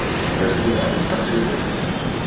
Els fideus fan riure.